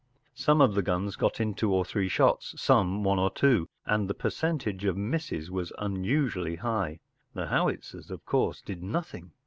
Some of the guns got in two or three shots, some one or two, and the percentage of misses was unusually high. The howitzers, of course, did nothing.